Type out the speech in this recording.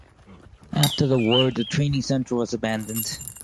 After the war the training center was abandoned.